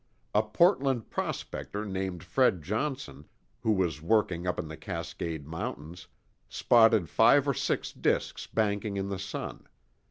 A Portland prospector named Fred Johnson, who was working up in the Cascade Mountains, spotted five or six disks banking in the sun.